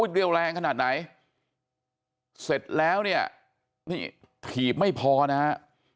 เรียวแรงขนาดไหนเสร็จแล้วเนี่ยนี่ถีบไม่พอนะฮะ